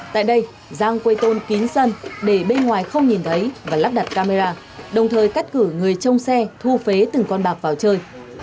tại đây giang quây tôn kín sân để bên ngoài không nhìn thấy và lắp đặt camera đồng thời cắt cử người trông xe thu phế từng con bạc vào chơi